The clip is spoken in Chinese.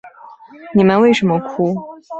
你们为什么哭？